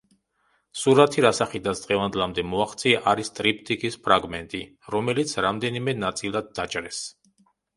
სურათი, რა სახითაც დღევანდლამდე მოაღწია, არის ტრიპტიქის ფრაგმენტი, რომელიც რამდენიმე ნაწილად დაჭრეს.